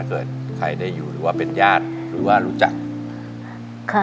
เกิดใครได้อยู่หรือว่าเป็นญาติหรือว่ารู้จักค่ะ